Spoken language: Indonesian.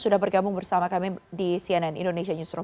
sudah bergabung bersama kami di cnn indonesia newsroom